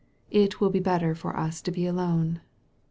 It will be better for us to be alone.